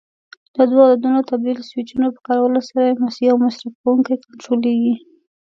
له دوو عددونو تبدیل سویچونو په کارولو سره یو مصرف کوونکی کنټرولېږي.